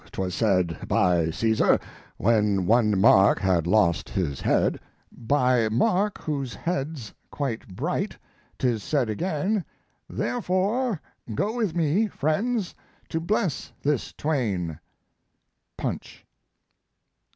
'Twas said By Caesar, when one Mark had lost his head: By Mark, whose head's quite bright, 'tis said again: Therefore, "go with me, friends, to bless this Twain." Punch.